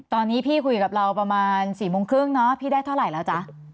ตอนนี้พี่คุยกับเราประมาณ๔โมงครึ่งเนาะพี่ได้เท่าไหร่แล้วจ๊ะ